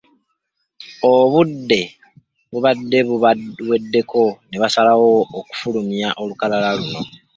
Obudde bubadde bubaweddeko ne basalawo okufulumya olukalala luno.